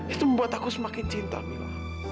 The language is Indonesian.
itu membuat aku semakin cinta mila